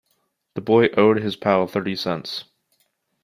The boy owed his pal thirty cents.